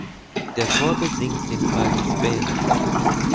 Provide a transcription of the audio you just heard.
Der Chor besingt den Fall des Bären.